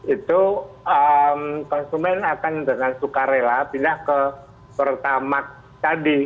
itu konsumen akan dengan suka rela pindah ke pertamak tadi